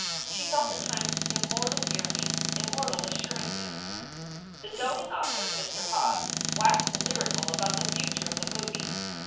She felt at times immortal yearnings, immortal assurances. The doting author, Mr. Hobbes, waxed lyrical about the future of the movies.